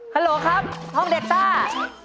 ฮัลโหลครับห้องเดต้า